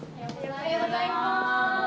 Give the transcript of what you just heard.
おはようございます。